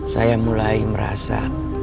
saya mulai merasa